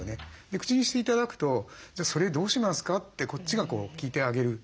口にして頂くと「じゃあそれどうしますか？」ってこっちが聞いてあげる。